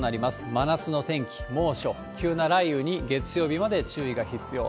真夏の天気、猛暑、急な雷雨に月曜日まで注意が必要。